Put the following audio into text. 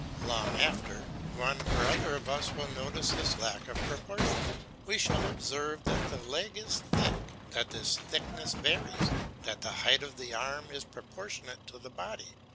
Long after, one or other of us will notice this lack of proportion; we shall observe that the leg is thick, that this thickness varies, that the length of the arm is proportionate to the body.